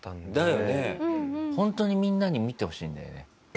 ホントにみんなに見てほしいんだよね。